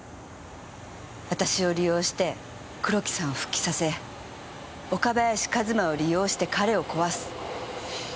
私を利用して黒木さんを復帰させ岡林和馬を利用して彼を壊す。